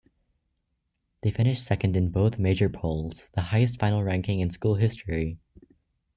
They finished second in both major polls, the highest final ranking in school history.